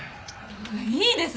いいです！